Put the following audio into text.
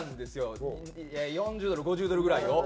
４０ドル５０ドルぐらいを。